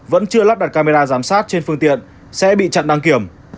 vẫn chưa lắp đặt camera giám sát trên phương tiện sẽ bị chặn đăng kiểm